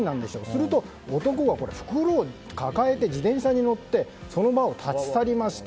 すると、男が袋を抱えて自転車に乗ってその場を立ち去りました。